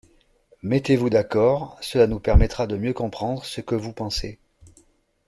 Mettez-vous d’accord, cela nous permettra de mieux comprendre ce que vous pensez.